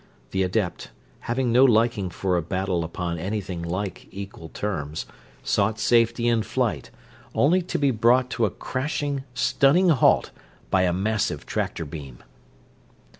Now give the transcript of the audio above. The adept, having no liking for a battle upon anything like equal terms, sought safety in flight, only to be brought to a crashing, stunning halt by a massive tractor beam.